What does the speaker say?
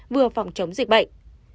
vừa phòng chống dịch bệnh